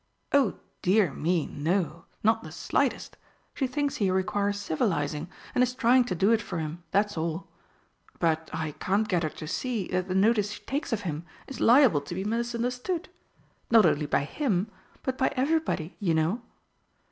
"Oh, dear me, no! Not the slightest! She thinks he requires civilising, and is trying to do it for him, that's all. But I can't get her to see that the notice she takes of him is liable to be misunderstood. Not only by him but by everybody, you know."